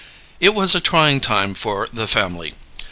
It was a trying time for "the family."